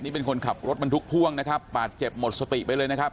นี่เป็นคนขับรถบรรทุกพ่วงนะครับบาดเจ็บหมดสติไปเลยนะครับ